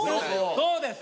そうです！